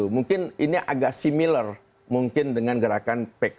mungkin ini agak similar dengan gerakan pki